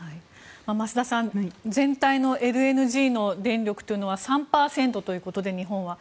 増田さん全体のＬＮＧの電力というのは３％ということで、日本は。